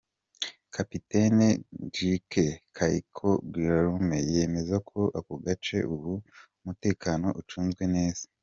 Capitaine Ndjike Kaiko Guillaume yemeza ko ako gace ubu umutekano ucunzwe neza.